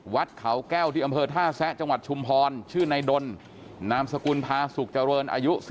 วัดเขาแก้วที่อำเภอท่าแซะจังหวัดชุมพรชื่อในดนนามสกุลพาสุขเจริญอายุ